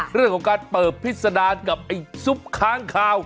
เรื่องของการเปิดพิษดารกับไอ้ซุปค้างคาว